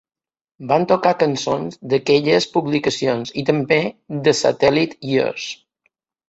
Van tocar cançons d"aquelles publicacions i també "The Satellite Years".